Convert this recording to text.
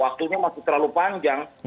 waktunya masih terlalu panjang